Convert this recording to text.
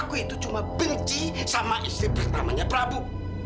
aku itu cuma benci sama istri pertamanya prabu